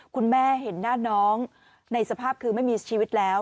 คุณแม่เห็นหน้าน้องในสภาพคือไม่มีชีวิตแล้ว